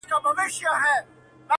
زما یادیږي د همدې اوبو پر غاړه؛